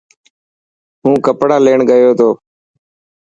هون ڪپڙا ليڻ گيو تو.